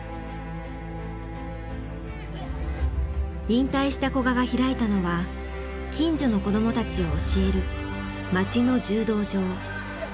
引退した古賀が開いたのは近所の子どもたちを教える町の柔道場。